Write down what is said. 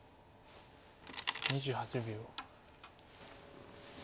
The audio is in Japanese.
２８秒。